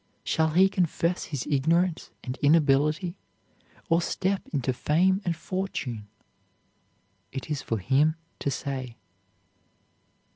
Shall he confess his ignorance and inability, or step into fame and fortune? It is for him to say."